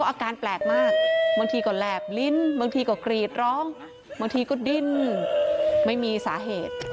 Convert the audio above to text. อาการแปลกมากบางทีก็แหลบลิ้นบางทีก็กรีดร้องบางทีก็ดิ้นไม่มีสาเหตุ